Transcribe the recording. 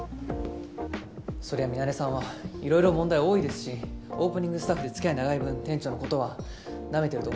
そりゃミナレさんはいろいろ問題多いですしオープニングスタッフで付き合い長い分店長の事はなめてると思いますけど。